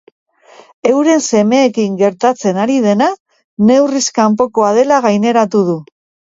Euren semeekin gertatzen ari dena neurriz kanpokoa dela gaineratu du.